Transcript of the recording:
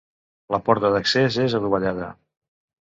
La porta d'accés és adovellada.